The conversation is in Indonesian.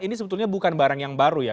ini sebetulnya bukan barang yang baru ya